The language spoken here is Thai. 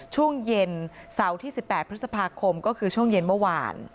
ช่วงเย็นเสาร์ที่๑๘พฤษภาคมก็คือช่วงเย็นเมื่อวาน